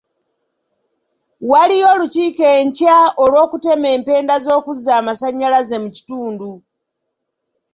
Waliyo olukiiko enkya olw'okutema empenda z'okuzza amasannyalaze mu kitundu.